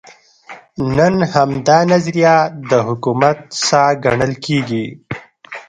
نن همدا نظریه د حکومت ساه ګڼل کېږي.